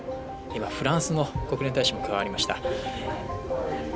今、フランスの国連大使も加わりました。